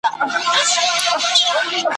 ما هم د جهاني له غزل زېری دی اخیستی `